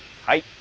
はい。